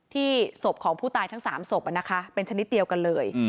ศพของผู้ตายทั้ง๓ศพเป็นชนิดเดียวกันเลย